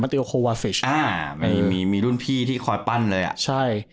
มาตีโอโควาฟิชอ่ามีมีมีรุ่นพี่ที่คอยปั้นเลยอะใช่